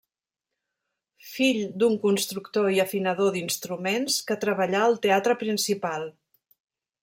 Fill d'un constructor i afinador d'instruments, que treballà al teatre Principal.